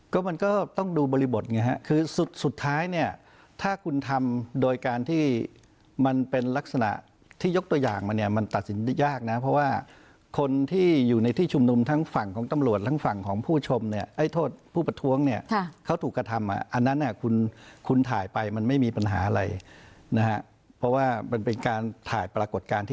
ก็มันก็ต้องดูบริบทไงฮะคือสุดท้ายเนี่ยถ้าคุณทำโดยการที่มันเป็นลักษณะที่ยกตัวอย่างมาเนี่ยมันตัดสินได้ยากนะเพราะว่าคนที่อยู่ในที่ชุมนุมทั้งฝั่งของตำรวจทั้งฝั่งของผู้ชมเนี่ยไอ้โทษผู้ประท้วงเนี่ยเขาถูกกระทำอันนั้นคุณถ่ายไปมันไม่มีปัญหาอะไรนะฮะเพราะว่ามันเป็นการถ่ายปรากฏการณ์ที่